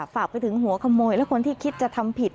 ฝากไปถึงหัวขโมยและคนที่คิดจะทำผิด